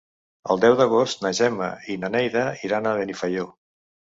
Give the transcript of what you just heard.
El deu d'agost na Gemma i na Neida iran a Benifaió.